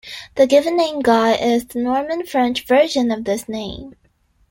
The given name Guy is the Norman-French version of this name.